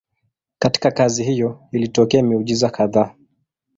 Katika kazi hiyo ilitokea miujiza kadhaa.